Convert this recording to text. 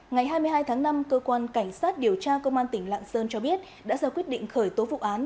ngày hai mươi hai tháng năm cơ quan cảnh sát điều tra công an tỉnh lạng sơn cho biết đã ra quyết định khởi tố vụ án